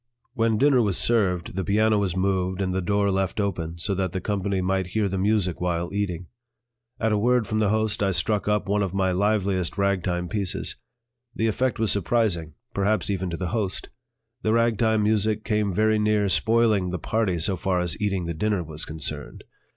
When dinner was served, the piano was moved and the door left open, so that the company might hear the music while eating. At a word from the host I struck up one of my liveliest ragtime pieces. The effect was surprising, perhaps even to the host; the ragtime music came very near spoiling the party so far as eating the dinner was concerned.